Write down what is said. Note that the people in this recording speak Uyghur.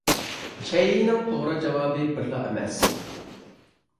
شەيئىنىڭ توغرا جاۋابى بىرلا ئەمەس.